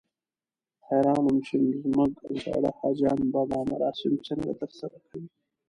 حیران وم چې زموږ زاړه حاجیان به دا مراسم څنګه ترسره کوي.